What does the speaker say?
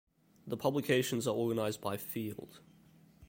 The publications are organized by field.